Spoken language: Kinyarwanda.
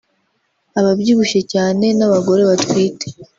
ababyibushye cyane n’abagore batwite